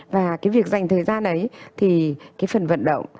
và cái việc dành thời gian ấy thì cái phần vận động